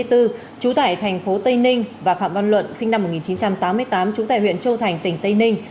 trú tại thành phố tây ninh và phạm văn luận sinh năm một nghìn chín trăm tám mươi tám trú tại huyện châu thành tỉnh tây ninh